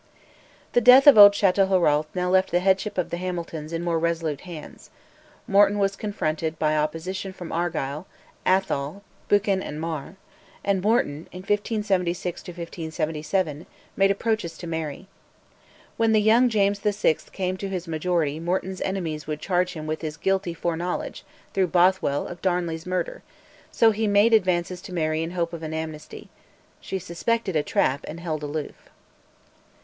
The death of old Chatelherault now left the headship of the Hamiltons in more resolute hands; Morton was confronted by opposition from Argyll, Atholl, Buchan, and Mar; and Morton, in 1576 1577, made approaches to Mary. When the young James VI. came to his majority Morton's enemies would charge him with his guilty foreknowledge, through Both well, of Darnley's murder, so he made advances to Mary in hope of an amnesty. She suspected a trap and held aloof.